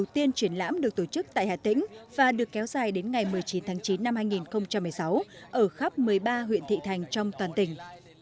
tiên triển lãm được tổ chức tại hà tĩnh và được kéo dài đến ngày một mươi chín tháng chín năm hai nghìn một mươi sáu ở khắp một mươi ba huyện thị thành trong toàn tỉnh